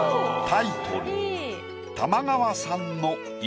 タイトル